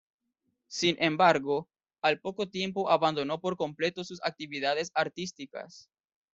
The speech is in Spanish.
Sin embargo, al poco tiempo abandonó por completo sus actividades artísticas.